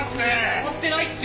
触ってないって。